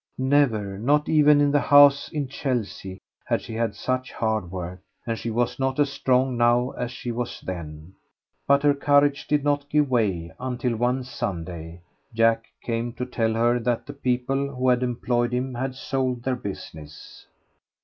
Never, not even in the house in Chelsea, had she had such hard work, and she was not as strong now as she was then. But her courage did not give way until one Sunday Jack came to tell her that the people who employed him had sold their business.